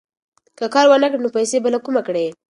که کار ونه کړې، نو پیسې به له کومه کړې؟